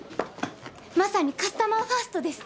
まさにカスタマーファーストです。